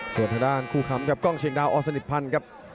ส่วนทางด้านคู่คำกับกล้องเชียงดาวอสนิทพันธ์ครับ